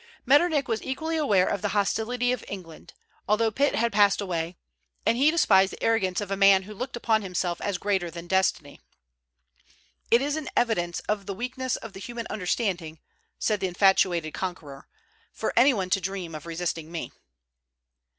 Metternich was equally aware of the hostility of England, although Pitt had passed away; and he despised the arrogance of a man who looked upon himself as greater than destiny. "It is an evidence of the weakness of the human understanding," said the infatuated conqueror, "for any one to dream of resisting me."